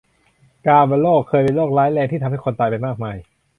กาฬโรค เคยเป็นโรคร้ายแรงที่ทำให้คนตายไปมากมาย